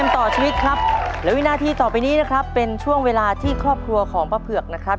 ต่อชีวิตครับและวินาทีต่อไปนี้นะครับเป็นช่วงเวลาที่ครอบครัวของป้าเผือกนะครับ